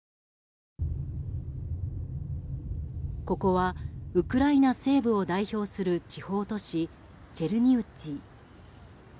ここはウクライナ西部を代表する地方都市チェルニウツィ。